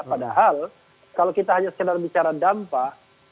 padahal kalau kita hanya sekedar bicara dampak